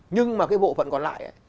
nhưng mà cái bộ phận còn lại